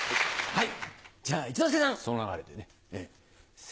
はい。